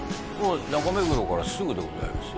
中目黒からすぐでございます